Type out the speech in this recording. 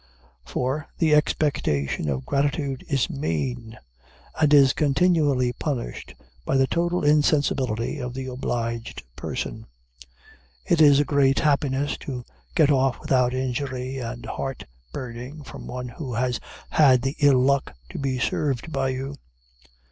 For, the expectation of gratitude is mean, and is continually punished by the total insensibility of the obliged person. It is a great happiness to get off without injury and heart burning, from one who has had the ill luck to be served by you.